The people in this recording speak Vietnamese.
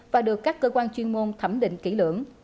và được các cơ quan chuyên môn thẩm định kỹ lưỡng